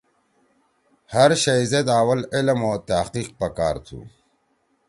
ہر شئی زید اول علم او تحقیق پکار تُھو۔